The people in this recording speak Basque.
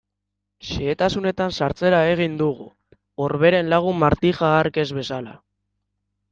Xehetasunetan sartzera egin dugu, Orberen lagun Martija hark ez bezala.